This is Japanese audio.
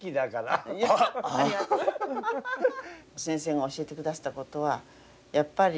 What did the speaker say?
先生が教えてくだすったことはやっぱり